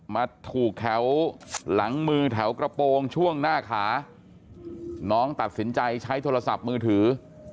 มาถูกแถวหลังมือแถวกระโปรงช่วงหน้าขาน้องตัดสินใจใช้โทรศัพท์มือถือ